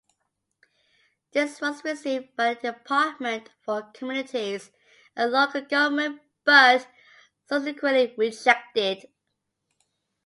This was received by the Department for Communities and Local Government but subsequently rejected.